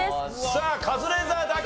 さあカズレーザーだけ。